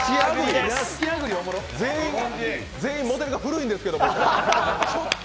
全員モデルが古いんですけれども。